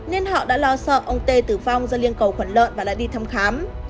nên họ đã lo sợ ông t tử vong do liên cầu khuẩn lợn và đã đi thăm khám